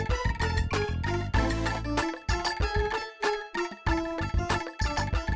dia berada di rumah peningiftsi